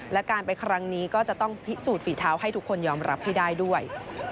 และการไปครั้งนี้ก็จะต้องพิสูจน์ฝีเท้าให้ทุกคนยอมรับให้ได้ด้วย